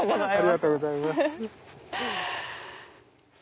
ありがとうございます。